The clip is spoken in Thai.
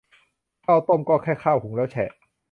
ข้าวต้ม ก็แค่ข้าวหุงแล้วแฉะ